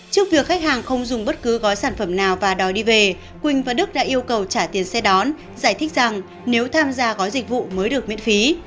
trước việc khách hàng không dùng bất cứ gói sản phẩm nào và đòi đi về quỳnh và đức đã yêu cầu trả tiền xe đón giải thích rằng nếu tham gia gói dịch vụ mới được miễn phí